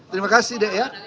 terima kasih deh ya